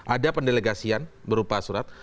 ada pendelegasian berupa surat